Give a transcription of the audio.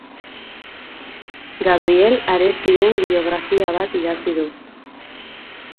Gabriel Arestiren biografia bat idatzi du.